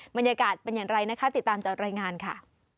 บรรยากาศเป็นอย่างไรนะคะติดตามจากรายงานค่ะ